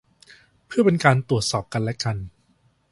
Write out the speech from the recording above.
เพื่อเป็นการตรวจสอบกันและกัน